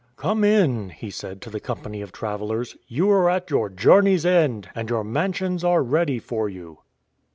"Come in," he said to the company of travelers; "you are at your journey's end, and your mansions are ready for you."